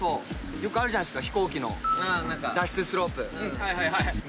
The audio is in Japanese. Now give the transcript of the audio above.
よくあるじゃない飛行機の脱出スロープ。